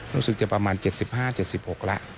รู้สึกจะประมาณ๗๕๗๖แล้ว